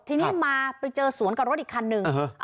ทีนี้มาไปเจอสวนกับรถอีกคันหนึ่ง